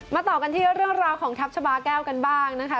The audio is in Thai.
ต่อกันที่เรื่องราวของทัพชาบาแก้วกันบ้างนะคะ